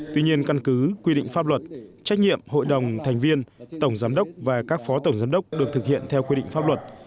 trách nhiệm hội đồng thành viên tổng giám đốc và các phó tổng giám đốc được thực hiện theo quy định pháp luật